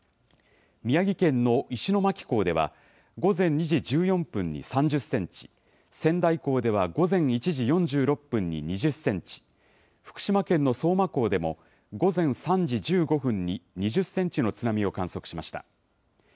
宮城県の石巻港では午前２時１４分に３０センチ、仙台港では午前１時４６分に２０センチ、福島県の相馬港でも午前３時１５分に２０センチの津波を観測しました。